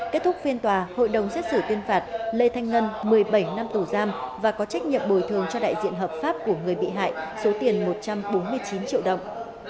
kết thúc phiên tòa hội đồng xét xử tuyên phạt lê thanh ngân một mươi bảy năm tù giam và có trách nhiệm bồi thường cho đại diện hợp pháp của người bị hại số tiền một trăm bốn mươi chín triệu đồng